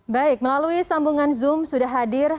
baik melalui sambungan zoom sudah hadir